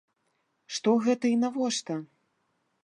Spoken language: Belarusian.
Што гэта і навошта?